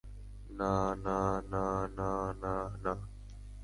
না, না, না, না, না, না!